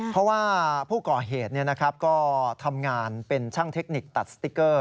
เพราะว่าผู้ก่อเหตุก็ทำงานเป็นช่างเทคนิคตัดสติ๊กเกอร์